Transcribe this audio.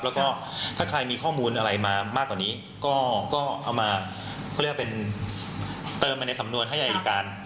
แล้วก็ถ้าใครมีข้อมูลอะไรมามากกว่านี้ก็เอามาเขาเรียกว่าเป็นเติมไปในสำนวนให้อายการ